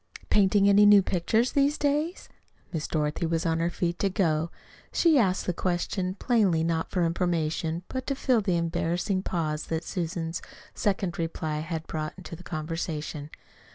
"Painting any new pictures these days?" Miss Dorothy was on her feet to go. She asked the question plainly not for information, but to fill the embarrassing pause that Susan's second reply had brought to the conversation.